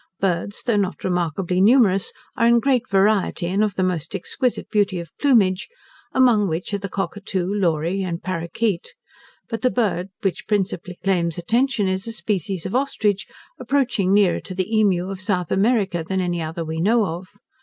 Birds, though not remarkably numerous, are in great variety, and of the most exquisite beauty of plumage, among which are the cockatoo, lory, and parroquet; but the bird which principally claims attention is, a species of ostrich, approaching nearer to the emu of South America than any other we know of.